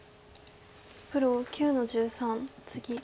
黒９の十三ツギ。